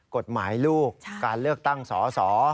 กฎหมายลูกการเลือกตั้งสอสอ